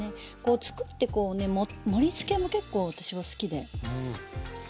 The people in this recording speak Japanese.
作ってこうね盛りつけも結構私は好きで。